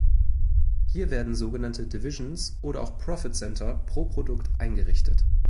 Hier werden sogenannte "Divisions" oder auch "Profit Center" pro Produkt eingerichtet.